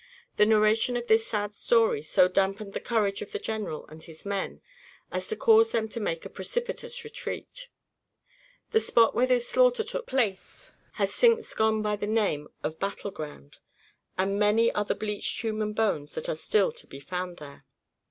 The narration of this sad story so dampened the courage of the General and his men as to cause them to make a precipitous retreat. The spot where this slaughter took place has since gone by the name of the "battle ground" and many are the bleached human bones that are still to be found there.